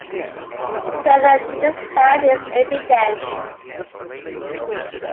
Further to the south is Epigenes.